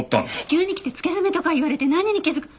急に来て付け爪とか言われて何に気づく。